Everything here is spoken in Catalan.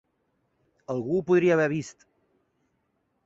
Algú ho podria haver vist.